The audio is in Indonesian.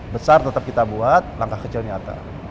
besar tetap kita buat langkah kecil nyata